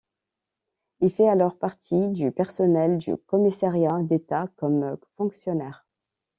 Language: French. Il fait alors partie du personnel du Commissariat d'État comme fonctionnaire.